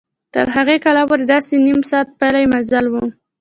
تر هغې کلا پورې داسې نیم ساعت پلي مزل و.